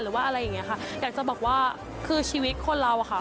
หรือว่าอะไรอย่างเงี้ค่ะอยากจะบอกว่าคือชีวิตคนเราอะค่ะ